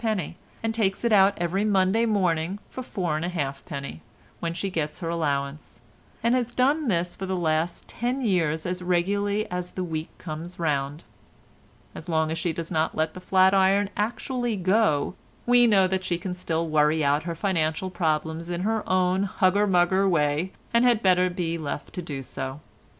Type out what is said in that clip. and takes it out every Monday morning for 4.5d. when she gets her allowance, and has done this for the last ten years as regularly as the week comes round. As long as she does not let the flat iron actually go we know that she can still worry out her financial problems in her own hugger mugger way and had better be left to do so.